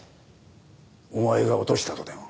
お前が落としたとでも？